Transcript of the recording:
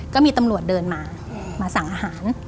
ก็มีตำรวจเดินมามาสั่งอาหาร